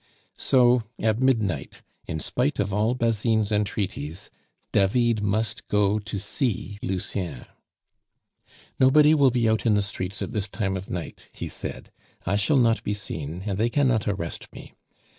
So at midnight, in spite of all Basine's entreaties, David must go to see Lucien. "Nobody will be out in the streets at this time of night," he said; "I shall not be seen, and they cannot arrest me.